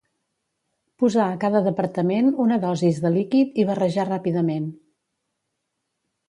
Posar a cada departament una dosis de líquid i barrejar ràpidament.